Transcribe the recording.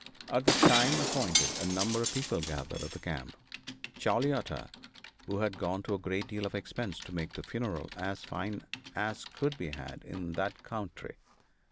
At the time appointed a number of people gathered at the camp Charley Utter had gone to a great deal of expense to make the funeral as fine as could be had in that country.